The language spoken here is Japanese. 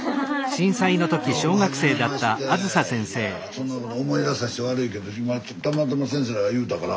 そんなもの思い出さして悪いけど今たまたま先生が言うたから。